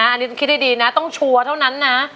อันนี้ต้องคิดให้ดีนะต้องชัวร์เท่านั้นนะ